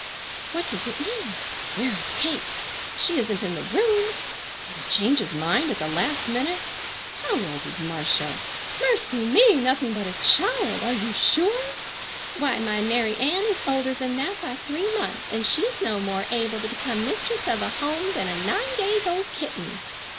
What does it mean? Where is Kate? She isn't in the room! Did he change his mind at the last minute? How old is Marcia? Mercy me! Nothing but a child! Are you sure? Why, my Mary Ann is older than that by three months, and she's no more able to become mistress of a home than a nine days old kitten.